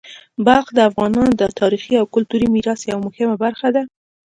بلخ د افغانانو د تاریخي او کلتوري میراث یوه مهمه برخه ده.